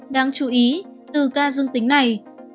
đáng chú ý từ ca dương tính này